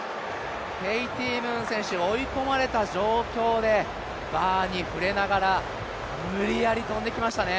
ケイティ・ムーン選手、追い込まれた状況でバーに触れながら無理やり跳んできましたね。